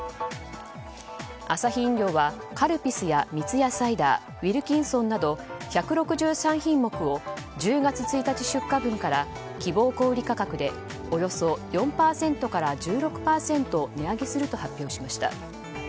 アサヒ飲料はカルピスや三ツ矢サイダーウィルキンソンなど１６３品目を１０月１日出荷分から希望小売価格でおよそ４％から１６％値上げすると発表しました。